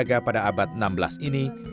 menjaga pada abad enam belas ini